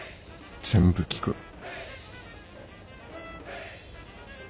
全部聴く。